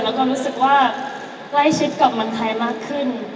แล้วก็รู้สึกว่าใกล้ชิดกับเมืองไทยมากขึ้น